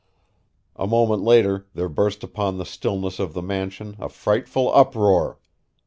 A moment later there burst upon the stillness of the mansion a frightful uproar.